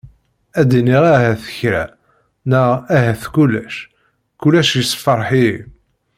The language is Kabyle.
Ad iniɣ ahat kra! Neɣ ahat kulec, kulec yessefraḥ-iyi.